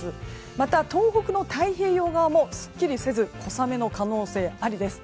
また、東北の太平洋側もすっきりせず小雨の可能性ありです。